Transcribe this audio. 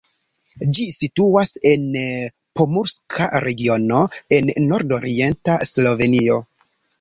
Ĝi situas en Pomurska regiono en nordorienta Slovenio.